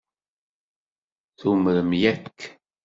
Tumrem yakk